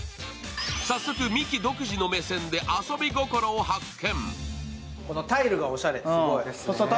早速、ミキ独自の目線で遊び心を発見。